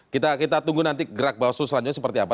kita tunggu nanti gerak bawaslu selanjutnya seperti apa